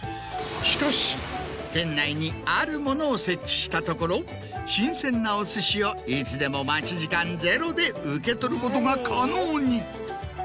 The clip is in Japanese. しかし店内にあるものを設置したところ新鮮なお寿司をいつでも待ち時間０で受け取ることが可能に。